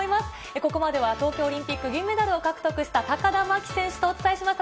ここまでは東京オリンピック銀メダルを獲得した高田真希選手とお伝えしました。